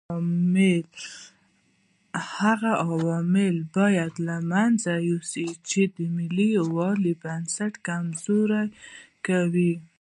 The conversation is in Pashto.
هغه عوامل باید له منځه یوسو چې د ملي یووالي بنسټونه کمزوري کوي.